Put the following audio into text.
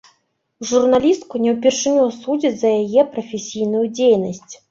Журналістку не ўпершыню судзяць за яе прафесійную дзейнасць.